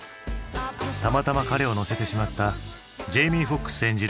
たまたま彼を乗せてしまったジェイミー・フォックス演じる